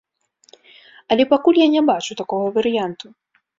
Але пакуль я не бачу такога варыянту.